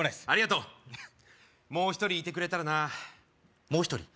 ありがとうもう１人いてくれたらなもう１人？